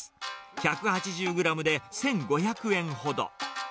１８０グラムで１５００円ほど。